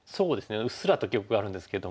うっすらと記憶があるんですけども。